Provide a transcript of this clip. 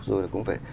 rồi cũng phải